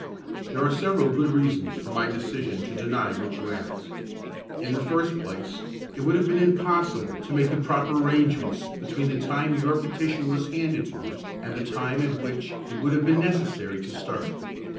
"There are several good reasons for my decision to deny what you ask. In the first place, it would have been impossible to make the proper arrangements between the time your petition was handed to me and the time at which it would have been necessary to start.